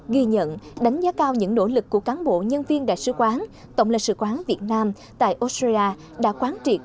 ghi nhận đánh giá cao những nỗ lực của cán bộ nhân viên đại sứ quán tổng lãnh sự quán việt nam tại australia đã quán triệt